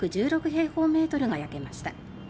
平方メートルが焼けました。